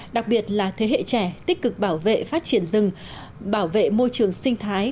đặc biệt là thế hệ trẻ tích cực bảo vệ phát triển rừng bảo vệ môi trường sinh thái